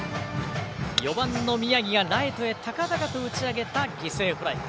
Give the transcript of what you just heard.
４番の宮城がライトへ高々と打ち上げた犠牲フライ。